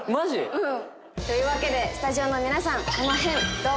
うんというわけでスタジオの皆さん